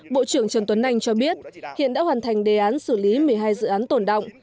bộ trưởng trần tuấn anh cho biết hiện đã hoàn thành đề án xử lý một mươi hai dự án tổn động